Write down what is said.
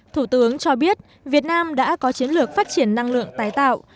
thủ tướng cho biết việt nam đã có chiến lược phát triển năng lượng tái tạo